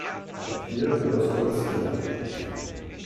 Papier wird aus Holz gemacht.